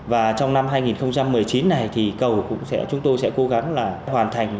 và trong năm hai nghìn một mươi chín này thì cầu cũng chúng tôi sẽ cố gắng là hoàn thành